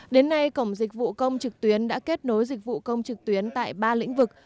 đến nay cổng dịch vụ công trực tuyến đã kết nối dịch vụ công trực tuyến tại ba lĩnh vực